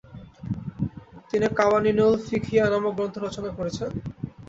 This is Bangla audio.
তিনি কাওয়ানিনুল ফিকহিয়া নামক গ্রন্থ রচনা করেছেন।